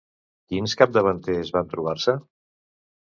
Quins capdavanters van trobar-se?